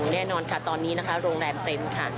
แน่นอนค่ะตอนนี้นะคะโรงแรมเต็มค่ะ